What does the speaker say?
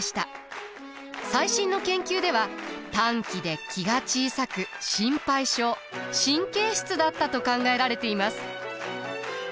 最新の研究では短気で気が小さく心配性神経質だったと考えられています。